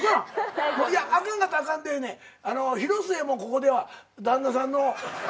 あかんかったらあかんでええねん。広末もここでは旦那さんの。